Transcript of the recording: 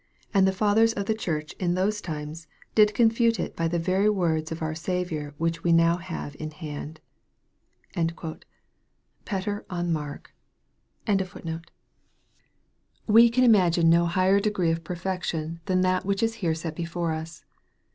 And the fathers of the church in those times, did confute it by these very words of our Saviour which we have now in hand." Petier on Mark. MARK, CHAP. XIV. 319 We can imagine no higher degree of perfection than tl.at which is here set before us.